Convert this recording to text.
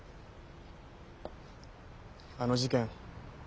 あの事件